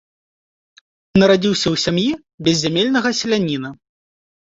Нарадзіўся ў сям'і беззямельнага селяніна.